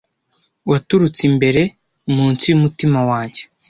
Waturutse imbere, munsi yumutima wanjye.